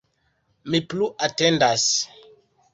Mi plu atendas.